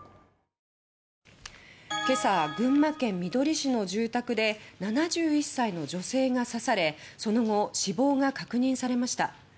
今朝、群馬県みどり市の住宅で７１歳の女性が刺されその後死亡が確認されました。